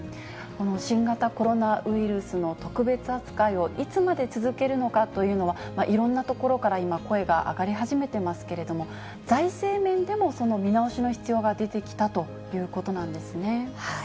新型コロナウイルスの特別扱いをいつまで続けるのかというのは、いろんなところから今、声が上がり始めていますけれども、財政面でもその見直しの必要が出てきたということなんですね。